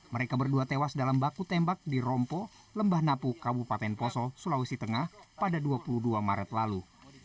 mereka berdua tewas dalam baku tembak di rompo lembah napu kabupaten poso sulawesi tengah pada dua puluh dua maret lalu